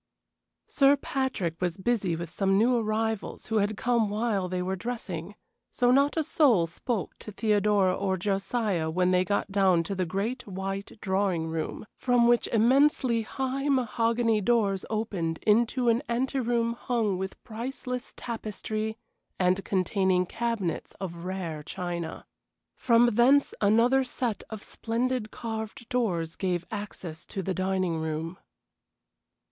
Sir Patrick was busy with some new arrivals who had come while they were dressing, so not a soul spoke to Theodora or Josiah when they got down to the great, white drawing room, from which immensely high mahogany doors opened into an anteroom hung with priceless tapestry and containing cabinets of rare china. From thence another set of splendid carved doors gave access to the dining room.